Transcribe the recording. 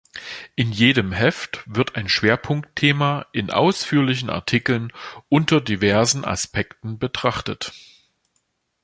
In jedem Heft wird ein Schwerpunktthema in ausführlichen Artikeln unter diversen Aspekten betrachtet.